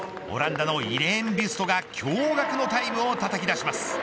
オランダのイレーン・ビュストが驚がくのタイムをたたき出します。